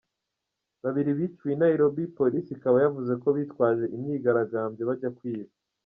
Babiri biciwe i Nairobi, polisi ikaba yavuze ko bitwaje imyigaragambyo bajya kwiba.